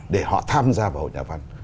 để họ tham gia vào hội nhà văn